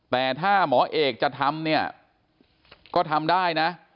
แต่ถ้าหมอเอกจะทำเนี่ยก็ทำได้นะ